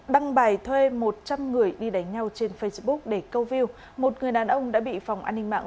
đăng bài thuê một trăm linh người đi đánh nhau trên facebook để câu view một người đàn ông đã bị phòng an ninh mạng